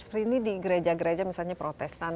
seperti ini di gereja gereja misalnya protestan